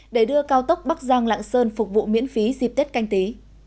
để đưa cao tốc bắc giang lạng sơn phục vụ miễn phí dịp tết canh tí